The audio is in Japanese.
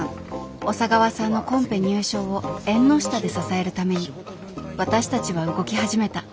小佐川さんのコンペ入賞を縁の下で支えるために私たちは動き始めた